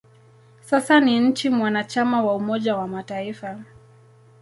Sasa ni nchi mwanachama wa Umoja wa Mataifa.